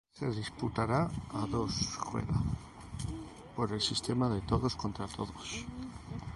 Se disputará a dos rueda, por el sistema de todos contra todos.